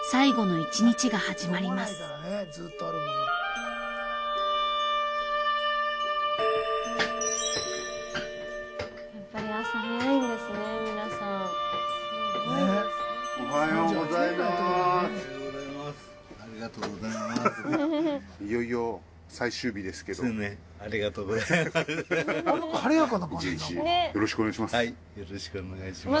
１日よろしくお願いします。